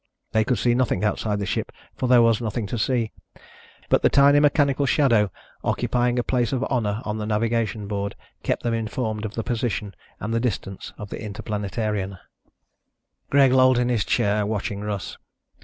They could see nothing outside the ship, for there was nothing to see. But the tiny mechanical shadow, occupying a place of honor on the navigation board, kept them informed of the position and the distance of the Interplanetarian. Greg lolled in his chair, watching Russ.